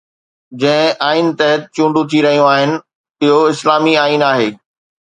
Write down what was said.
جنهن آئين تحت چونڊون ٿي رهيون آهن اهو اسلامي آئين آهي.